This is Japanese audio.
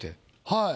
はい。